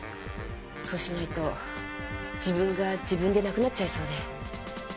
そうしないと自分が自分でなくなっちゃいそうで。